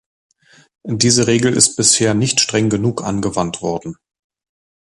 Diese Regel ist bisher nicht streng genug angewandt worden.